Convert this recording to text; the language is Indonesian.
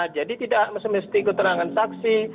jadi tidak mesti mesti keterangan saksi